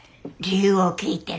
理由を聞いてるの。